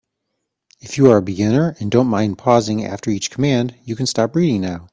If you are a beginner and don't mind pausing after each command, you can stop reading now.